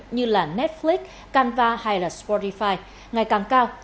như là netflix canva hay là spotify ngày càng cao